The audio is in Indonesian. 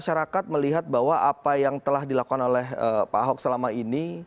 masyarakat melihat bahwa apa yang telah dilakukan oleh pak ahok selama ini